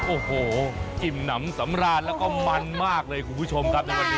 โอ้โหอิ่มหนำสำราญแล้วก็มันมากเลยคุณผู้ชมครับในวันนี้